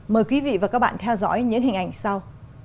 mời quý vị và các bạn theo dõi những hình ảnh sau